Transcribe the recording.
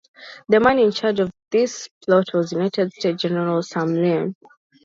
The man in charge of this plot was United States General Sam Lane.